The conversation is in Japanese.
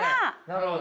なるほど。